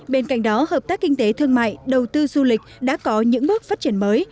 bên cạnh đó hợp tác kinh tế thương mại đầu tư du lịch đã có những bước phát triển mới